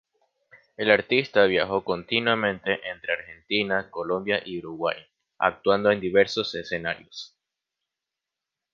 El artista viajó continuamente entre Argentina, Colombia y Uruguay, actuando en diversos escenarios.